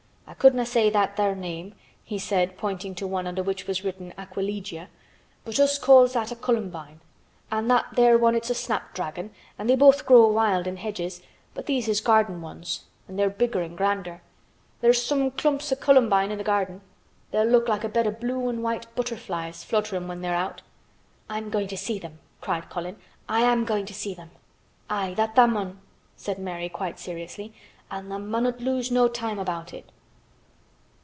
"I couldna' say that there name," he said, pointing to one under which was written "Aquilegia," "but us calls that a columbine, an' that there one it's a snapdragon and they both grow wild in hedges, but these is garden ones an' they're bigger an' grander. There's some big clumps o' columbine in th' garden. They'll look like a bed o' blue an' white butterflies flutterin' when they're out." "I'm going to see them," cried Colin. "I am going to see them!" "Aye, that tha' mun," said Mary quite seriously. "An' tha' munnot lose no time about it."